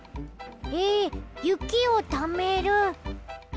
ええっゆきをためる？